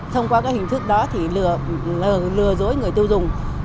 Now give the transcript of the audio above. thông qua các hình thức đó thì lừa dối người tiêu dùng